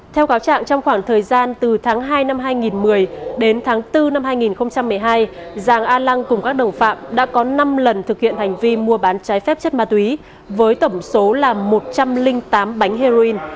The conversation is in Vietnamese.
theo cáo trạng trong khoảng thời gian từ tháng hai năm hai nghìn một mươi đến tháng bốn năm hai nghìn một mươi hai giàng a lăng cùng các đồng phạm đã có năm lần thực hiện hành vi mua bán trái phép chất ma túy với tổng số là một trăm linh tám bánh heroin